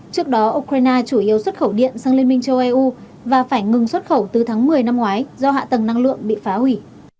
trước đó ukraine chủ yếu xuất khẩu điện sang liên minh châu eu và phải ngừng xuất khẩu từ tháng một mươi năm ngoái do hạ tầng năng lượng bị phá hủy